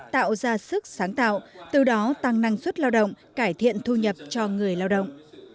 tạo ra sức sáng tạo từ đó tăng năng suất lao động cải thiện thu nhập cho người lao động